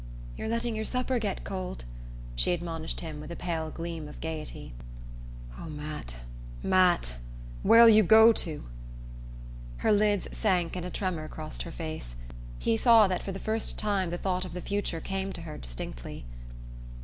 "You're letting your supper get cold," she admonished him with a pale gleam of gaiety. "Oh, Matt Matt where'll you go to?" Her lids sank and a tremor crossed her face. He saw that for the first time the thought of the future came to her distinctly.